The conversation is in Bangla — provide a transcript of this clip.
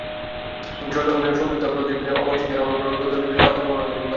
তিনি চন্দ্রগোমীর সংক্ষিপ্তপ্রনিধান, অমরসিংহের অমরকোশ ও দন্ডীনের কাব্যদর্শও অনুবাদ করেন।